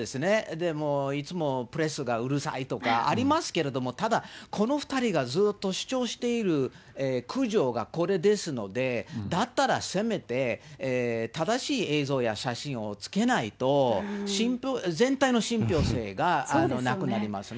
でもいつもプレスがうるさいとかありますけども、ただ、この２人がずっと主張している苦情がこれですので、だったらせめて、正しい映像や写真をつけないと、全体の信ぴょう性がなくなりますね。